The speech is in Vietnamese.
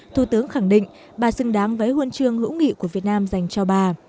thủ tướng khẳng định bà xứng đáng với huân chương hữu nghị của việt nam dành cho bà